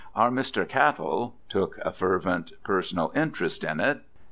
"Our Mr. Cattell" took a fervent personal interest in it.